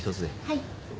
はい。